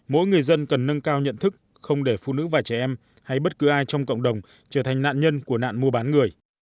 mỗi người dân cần nâng cao nhận thức không để phụ nữ và trẻ em hay bất cứ ai trong cộng đồng trở thành nạn nhân của nạn mua bán người